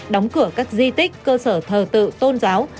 đóng cửa các di tích cơ sở thờ tự tôn giáo